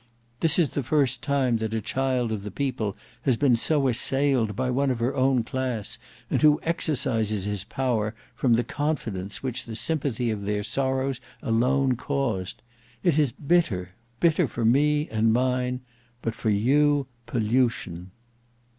This is the first time that a child of the people has been so assailed by one of her own class, and who exercises his power from the confidence which the sympathy of their sorrows alone caused. It is bitter; bitter for me and mine—but for you, pollution."